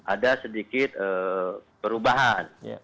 ada sedikit perubahan